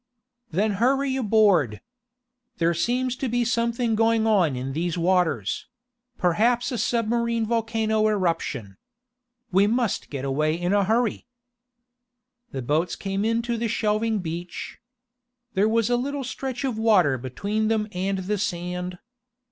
"Then hurry aboard. There seems to be something going on in these waters perhaps a submarine volcano eruption. We must get away in a hurry!" The boats came in to the shelving beach. There was a little stretch of water between them and the sand.